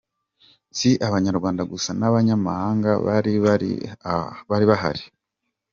Si Abanyarwanda gusa n'abanyamahanga bari bari bahari.